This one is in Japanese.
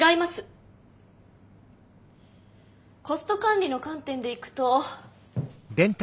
コスト管理の観点でいくと。